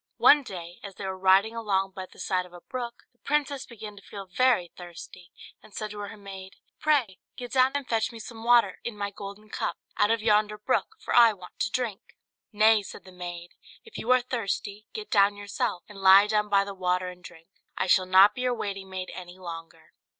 One day, as they were riding along by the side of a brook, the princess began to feel very thirsty, and said to her maid, "Pray get down and fetch me some water, in my golden cup, out of yonder brook, for I want to drink." "Nay," said the maid, "if you are thirsty, get down yourself, and lie down by the water and drink; I shall not be your waiting maid any longer."